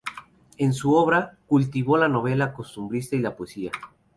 En su obra cultivó la novela costumbrista y la poesía.